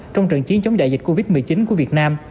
trong trận chiến chống đại dịch covid một mươi chín của việt nam